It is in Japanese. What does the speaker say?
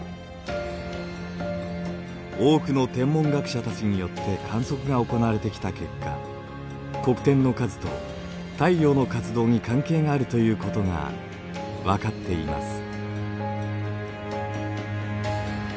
多くの天文学者たちによって観測が行われてきた結果黒点の数と太陽の活動に関係があるということが分かっています。